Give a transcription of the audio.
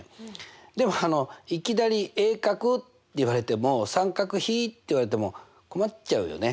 でもいきなり「鋭角」って言われても「三角比」って言われても困っちゃうよね。